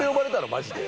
マジで。